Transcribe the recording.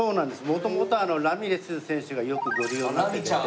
元々ラミレス選手がよくご利用になってくれて。